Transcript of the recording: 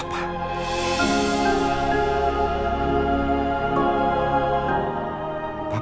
papa gak tahu